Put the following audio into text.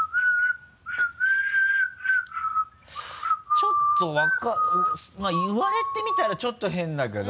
ちょっとまぁ言われてみたらちょっと変だけど。